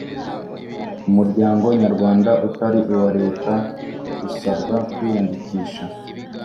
umuryango nyarwanda utari uwa leta usabwa kwiyandikisha.